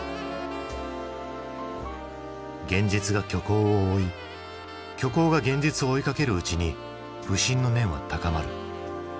現実が虚構を追い虚構が現実を追いかけるうちに不信の念は高まる。